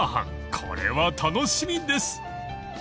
これは楽しみです］